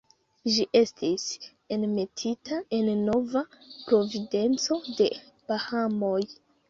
Ĝi estis enmetita en Nova Providenco de Bahamoj.